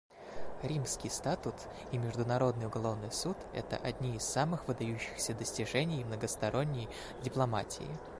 Римский статут и Международный уголовный суд — это одни из самых выдающихся достижений многосторонней дипломатии.